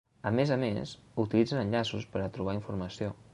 A més a més, utilitzen enllaços per a trobar informació.